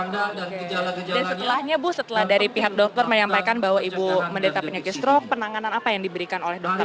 dan setelahnya bu setelah dari pihak dokter menyampaikan bahwa ibu mendaita punya stroke penanganan apa yang diberikan oleh dokter